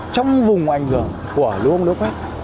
trong vùng ảnh hưởng của lũ ống lũ quét